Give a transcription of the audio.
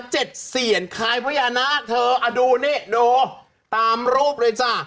เจ็ดเสียนคล้ายพญานาคเธออ่ะดูนี่ดูตามรูปเลยจ้ะ